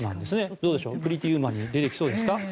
どうでしょう「プリティ・ウーマン」に出てきそうですか？